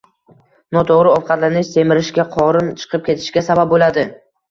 Noto‘g‘ri ovqatlanish semirishga, qorin chiqib ketishiga sabab bo‘ladi